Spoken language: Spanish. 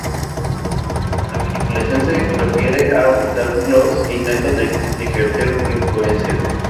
La manipulación se refiere a ocultar los intentos de ejercer influencia.